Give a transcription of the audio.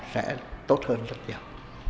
sẽ tốt hơn rất nhiều